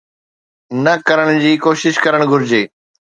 نه ڪرڻ جي ڪوشش ڪرڻ گهرجي.